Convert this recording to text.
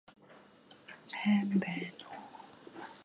He served on an ad hoc basis on several additional committees of the Senate.